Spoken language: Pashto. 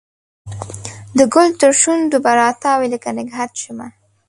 د ګل ترشو نډو به راتوی لکه نګهت شمه